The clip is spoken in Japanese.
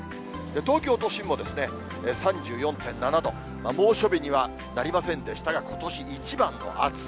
東京都心も３４．７度、猛暑日にはなりませんでしたが、ことし一番の暑さ。